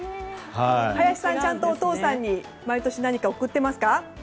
林さんはお父さんに毎年、何か贈っていますか？